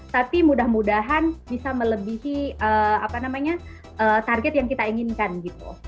tapi mudah mudahan bisa melebihi target yang kita inginkan gitu